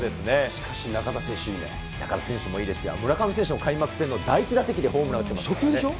しかし、中田選手もいいですし、村上選手も開幕戦の第１打席でホームラン打ってますからね。